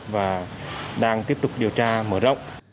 và đang tiếp tục điều tra mở rộng